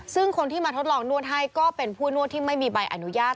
ซึ่งคนที่มาทดลองนวดให้ก็เป็นผู้นวดที่ไม่มีใบอนุญาต